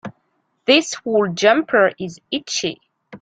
This wool jumper is itchy.